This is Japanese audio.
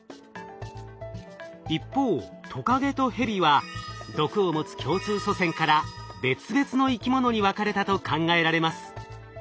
一方トカゲとヘビは毒を持つ共通祖先から別々の生き物に分かれたと考えられます。